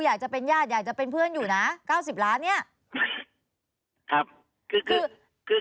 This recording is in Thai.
อยากจะเป็นญาติอยากจะเป็นเพื่อนอยู่นะเก้าสิบล้านเนี่ยครับคือคือ